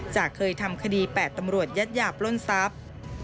เคยทำคดี๘ตำรวจยัดหยาบปล้นทรัพย์